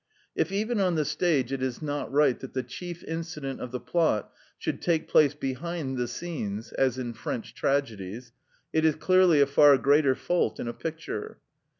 If even on the stage it is not right that the chief incident of the plot should take place behind the scenes (as in French tragedies), it is clearly a far greater fault in a picture.